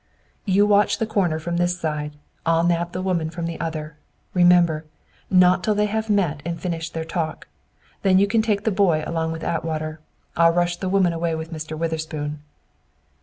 "You watch the corner from this side. I'll nab the woman from the other. Remember, not till they have met and finished their talk. Then you can take the boy along with Atwater. I'll rush the woman away with Mr. Witherspoon."